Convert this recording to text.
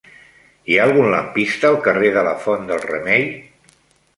Hi ha algun lampista al carrer de la Font del Remei?